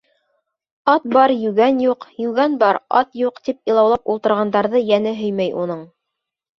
Ат бар — йүгән юҡ, йүгән бар — ат юҡ, тип илаулап ултырғандарҙы йәне һөймәй уның.